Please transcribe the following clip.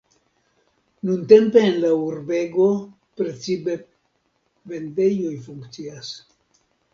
Nuntempe en la urbego precipe vendejoj funkcias.